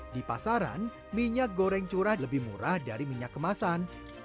di pasaran minyak goreng curah lebih murah dari minyak kemasan